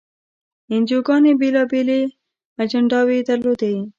انجیوګانې بېلابېلې اجنډاوې یې درلودې.